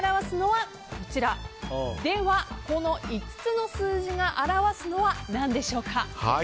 ではこの５つの数字が表わすのは何でしょうか。